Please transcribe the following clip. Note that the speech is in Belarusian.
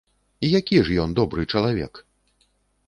Які ж ён добры чалавек?